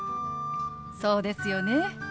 そうですよね。